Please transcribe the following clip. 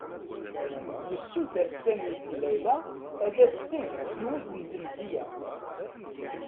Yessuter Sami deg Layla ad as-d-teg yiwet n lemzeyya.